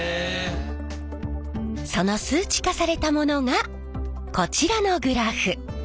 その数値化されたものがこちらのグラフ。